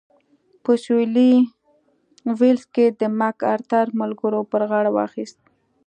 په سوېلي ویلز کې د مک ارتر ملګرو پر غاړه واخیست.